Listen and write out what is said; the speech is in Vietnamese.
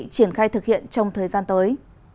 triển khai thực hiện trong thời gian tới